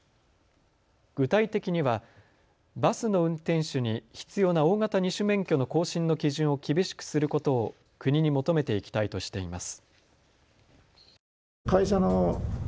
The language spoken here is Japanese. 具体的にはバスの運転手に必要な大型２種免許の更新の基準を厳しくすることを国に求めていきたいとしています。